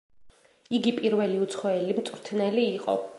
იგი პირველი უცხოელი მწვრთნელი იყო.